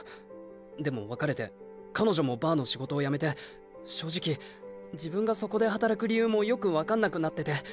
でも別れて彼女もバーの仕事を辞めて正直自分がそこで働く理由もよく分かんなくなってて。